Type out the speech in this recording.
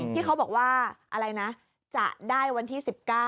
ที่เขาบอกว่าอะไรนะจะได้วันที่๑๙